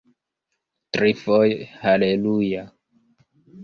Trifoje haleluja!